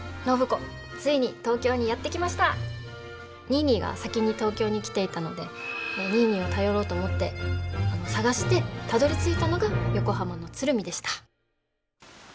ニーニーが先に東京に来ていたのでニーニーを頼ろうと思って捜してたどりついたのが横浜の鶴見でした。